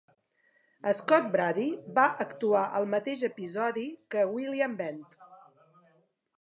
Scott Brady va actuar al mateix episodi que William Bent.